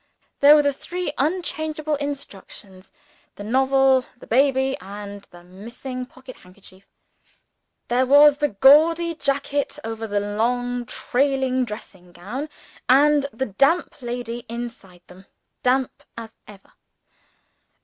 There were the three unchangeable institutions the novel, the baby, and the missing pocket handkerchief There was the gaudy jacket over the long trailing dressing gown and the damp lady inside them, damp as ever!